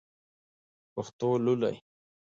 پښتو لولئ!